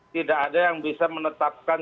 tidak ada yang bisa menetapkan